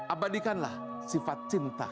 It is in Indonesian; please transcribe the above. abadikanlah sifat cinta